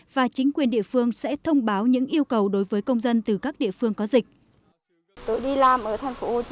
và chính quyền địa phương sẽ thông báo những yêu cầu đối với công dân từ các địa phương có dịch